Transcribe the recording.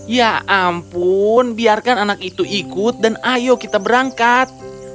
ya ampun biarkan anak itu ikut dan ayo kita berangkat